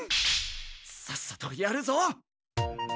さっさとやるぞ！